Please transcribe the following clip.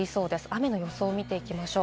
雨の予想を見ていきます。